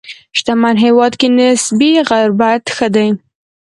شتمن هېواد کې نسبي غربت ښه دی.